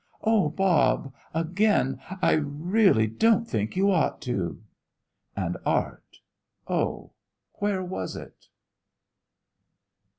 "Oh, Bob! Again! I really don't think you ought to!" And Art; oh, where was it?